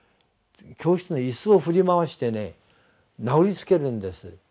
教室の椅子を振り回してね殴りつけるんです。